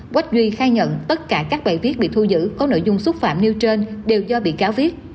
quách duy khai nhận tất cả các bài viết bị thu giữ có nội dung xúc phạm nêu trên đều do bị cáo viết